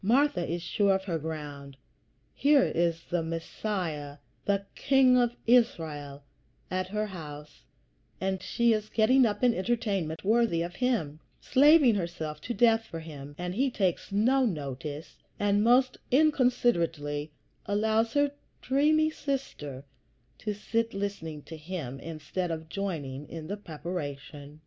Martha is sure of her ground. Here is the Messiah, the King of Israel, at her house, and she is getting up an entertainment worthy of him, slaving herself to death for him, and he takes no notice, and most inconsiderately allows her dreamy sister to sit listening to him, instead of joining in the preparation.